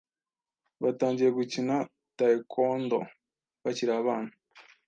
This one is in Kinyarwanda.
batangiye gukina Taekwondo bakiri abana